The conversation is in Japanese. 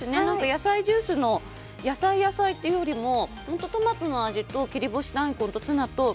野菜ジュースの野菜、野菜というよりも本当、トマトの味と切り干し大根とツナと。